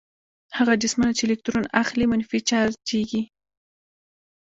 هغه جسمونه چې الکترون اخلي منفي چارجیږي.